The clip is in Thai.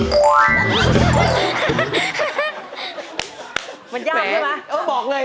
ก็ขอบรรยาไม่ให้เล่นอย่างเป็นยามใช่ป่ะ